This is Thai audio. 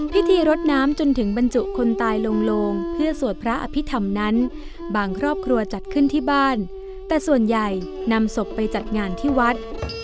พิธีรดน้ำจนถึงบรรจุคนตายลงโลงเพื่อสวดพระอภิษฐรรมนั้นบางครอบครัวจัดขึ้นที่บ้านแต่ส่วนใหญ่นำศพไปจัดงานที่วัด